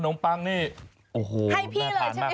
ขนมปรงขนมปังนี่